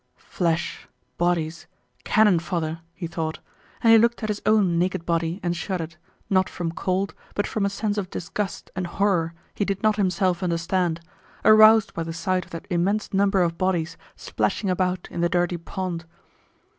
"Flesh, bodies, cannon fodder!" he thought, and he looked at his own naked body and shuddered, not from cold but from a sense of disgust and horror he did not himself understand, aroused by the sight of that immense number of bodies splashing about in the dirty pond.